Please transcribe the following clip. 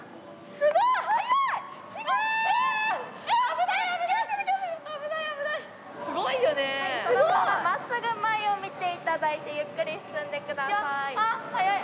すごい！そのまま真っすぐ前を見て頂いてゆっくり進んでください。